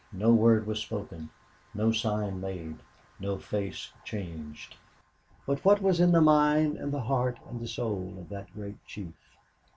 No word was spoken, no sign made, no face changed. But what was in the mind and the heart and the soul of that great chief?